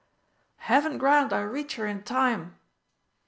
"Heaven grant I reach her in time!"